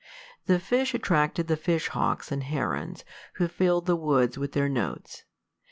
The fish attracted the fish hawks and herons, who filled the woods with their notes.